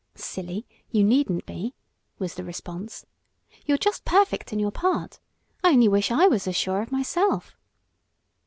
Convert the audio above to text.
"Silly! You needn't be!" was the response. "You're just perfect in your part. I only wish I was as sure of myself."